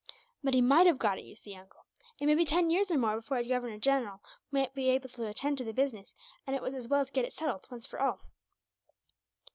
"But he might have got it, you see, uncle. It may be ten years or more before a governor general will be able to attend to the business, and it was as well to get it settled, once for all."